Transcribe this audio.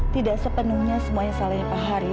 tidak sepenuhnya semuanya salahnya pak haris